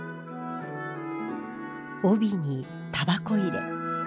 帯にたばこ入れ。